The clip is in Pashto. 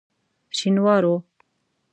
شینوارو.